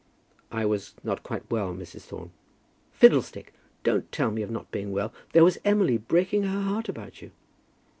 "I was not quite well, Mrs. Thorne." "Fiddlestick. Don't tell me of not being well. There was Emily breaking her heart about you."